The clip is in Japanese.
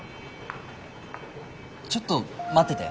ちょっと待ってて。